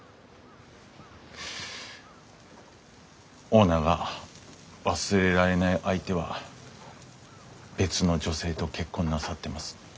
オーナーが忘れられない相手は別の女性と結婚なさってます。